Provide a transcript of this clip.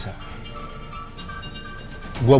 gue butuh tempat tinggal